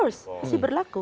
of course masih berlaku